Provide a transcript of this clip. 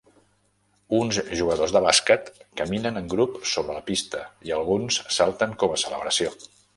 Uns jugadors de bàsquet caminen en grup sobre la pista, i alguns salten com a celebració.